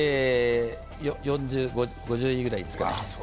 ４０、５０位ぐらいですか。